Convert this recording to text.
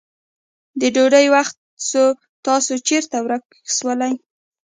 د ډوډی وخت سو تاسو چیري ورک سولې.